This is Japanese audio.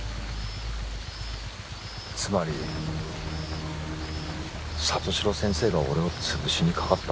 つまり里城先生が俺をつぶしにかかった？